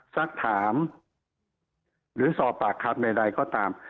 สักถามหรือสอบปากคำใดก็ตาม